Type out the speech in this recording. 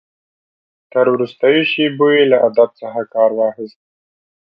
تر وروستیو شېبو یې له ادب څخه کار واخیست.